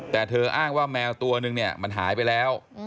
แต่เธออ้างว่าแมวตัวนึงเนี่ยมันหายไปแล้ว